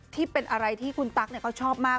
ที่เป็นอะไรที่คุณตั๊กเขาชอบมาก